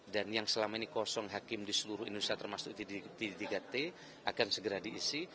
dan yang selama ini kosong hakim di seluruh indonesia termasuk di tiga t akan segera diisi